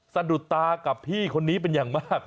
สะดุดตากับพี่คนนี้เป็นอย่างมาก